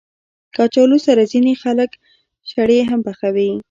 کچالو سره ځینې خلک شړې هم پخوي